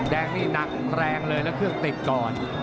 แดงนี่หนักแรงเลยแล้วเครื่องติดก่อน